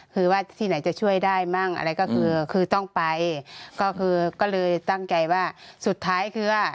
คือว่าที่ไหนจะช่วยได้มั่งอะไรก็คือคือต้องไปก็คือก็เลยตั้งใจว่าสุดท้ายคือ